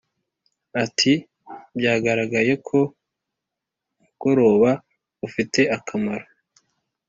ati: “byagaragaye ko umugoroba ufite akamaro